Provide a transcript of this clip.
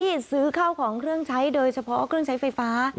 ที่ซื้อข้าวของเครื่องใช้โดยเฉพาะเครื่องใช้ไฟฟ้า